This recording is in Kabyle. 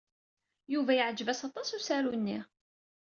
Yuba yeɛjeb-as aṭas usaru-nni.